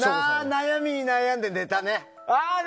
悩みに悩んで寝たね。